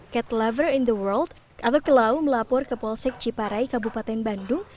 cat lover in the world atau clau melapor ke polsek ciparai kabupaten bandung